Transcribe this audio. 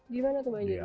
di mana tuh bang jo itu